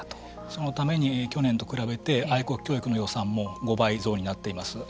そのために去年と比べて愛国教育の予算も５倍増になっています。